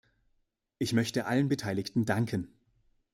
Ich möchte allen Beteiligten danken.